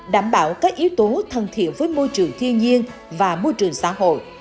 đảm bảo các yếu tố thân thiện với môi trường thiên nhiên và môi trường xã hội